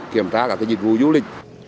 kiểm tra cả dịch vụ du lịch